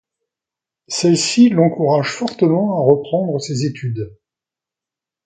Celle-ci l'encourage fortement à reprendre ses études.